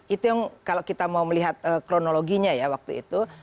itu yang kalau kita mau melihat kronologinya ya waktu itu